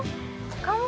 kamu kok mampus